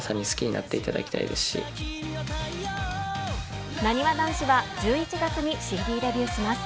なにわ男子は、１１月にＣＤデビューします。